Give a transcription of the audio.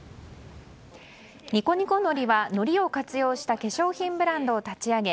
ニコニコのりはのりを活用した化粧品ブランドを立ち上げ